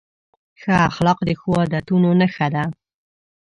ښه اخلاق د ښو عادتونو نښه ده.